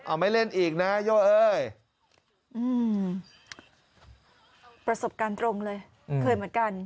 เอาไม่เล่นอีกนะโย่เอ้ยอืมประสบการณ์ตรงเลยเคยเหมือนกัน